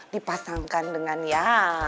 dipasangkan dengan ya